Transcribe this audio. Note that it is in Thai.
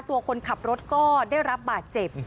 คนขับรถก็ได้รับบาดเจ็บ